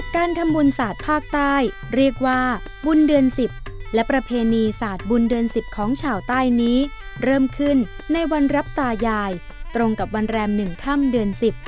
การทำบุญศาสตร์ภาคใต้เรียกว่าบุญเดือนสิบและประเพณีศาสตร์บุญเดือนสิบของชาวใต้นี้เริ่มขึ้นในวันรับตายายตรงกับวันแรมหนึ่งค่ำเดือนสิบ